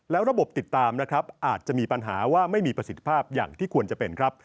แล้วระบบติดตามนะครับอาจจะมีปัญหาว่าไม่มีประสิทธิภาพอย่างที่ควรจะเป็นครับ